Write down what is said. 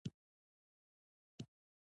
ایا ستاسو لاس سپک دی؟